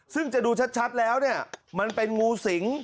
ซึ่งจะดูชัดแล้วเนี่ยมันเป็นงูสิง